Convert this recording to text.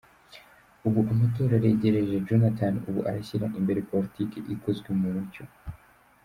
Ubu amatora aregereje, Jonathan ubu arashyira imbere Politiki ikozwe mu mucyo.